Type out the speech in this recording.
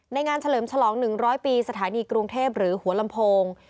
งานเฉลิมฉลอง๑๐๐ปีสถานีกรุงเทพหรือหัวลำโพง